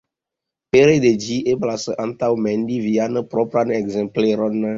Pere de ĝi, eblas antaŭmendi vian propran ekzempleron.